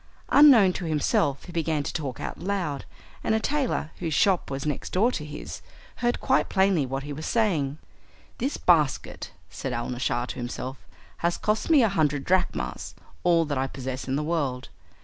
Unknown to himself he began to talk out loud, and a tailor, whose shop was next door to his, heard quite plainly what he was saying. "This basket," said Alnaschar to himself, "has cost me a hundred drachmas all that I possess in the world.